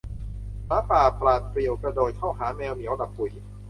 หมาป่าปราดเปรียวกระโดดเข้าหาแมวเหมียวหลับปุ๋ย